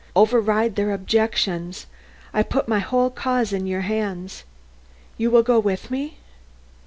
Override their objections. I put my whole cause in your hands. You will go with me?"